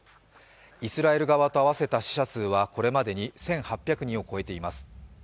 イスラエル側と合わせた死者数はこれまでに１８００人を超えています。